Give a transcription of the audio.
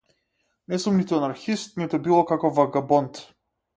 Не сум ниту анархист ниту било каков вагабонт.